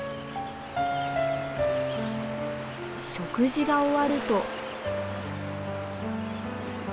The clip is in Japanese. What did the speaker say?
食事が終わると。